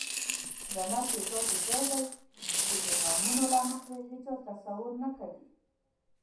جنت یو داسې ځای دی چې د انعامونو له مخې هیچا تصور نه کوي.